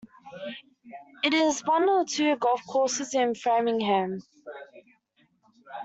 It is one of two golf courses in Framingham.